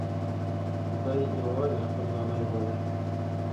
دی یوازې خپل لالی غواړي.